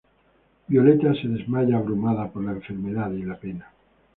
Violeta se desmaya abrumada por la enfermedad y la pena.